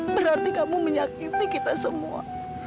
berarti kamu menyakiti kita semua